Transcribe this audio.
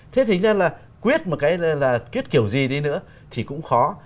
thế thì hình ra là quyết kiểu gì đi nữa thì cũng khó